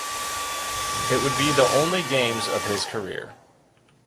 It would be the only games of his career.